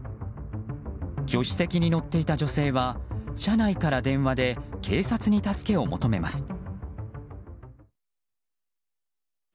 助手席に乗っていた女性は車内から電話で警察に助けを求めます。